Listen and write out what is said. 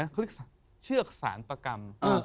เขาเรียกเชือกสารประกรรม